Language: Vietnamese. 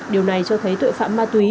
điều này cho thấy tội phạm ma túy